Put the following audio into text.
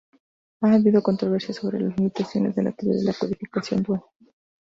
Ha habido controversia sobre las limitaciones de la teoría de la codificación dual.